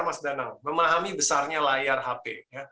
memahami besarnya layar hp